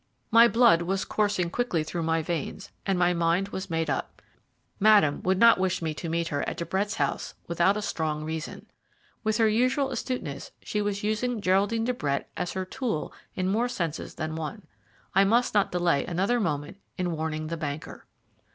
My blood was coursing quickly through my veins and my mind was made up. Madame would not wish me to meet her at De Brett's house without a strong reason. With her usual astuteness she was using Geraldine de Brett as her tool in more senses than one. I must not delay another moment in warning the banker.